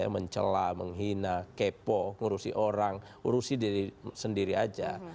mencelah menghina kepo ngurusi orang urusi diri sendiri aja